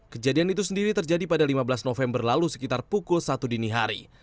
kejadian itu sendiri terjadi pada lima belas november lalu sekitar pukul satu dini hari